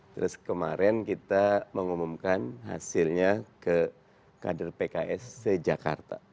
terus kemarin kita mengumumkan hasilnya ke kader pks sejakarta